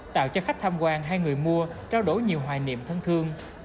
tạo cho khách tham quan hay người mua trao đổi nhiều hoài niệm thân thương